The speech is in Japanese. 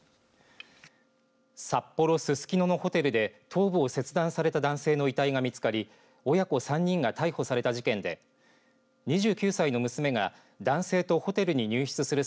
札幌、ススキノのホテルで頭部を切断された男性の遺体が見つかり親子３人が逮捕された事件で２９歳の娘が男性とホテルに入室する